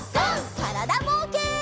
からだぼうけん。